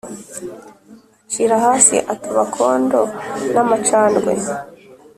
acira hasi atoba akondo n amacandwe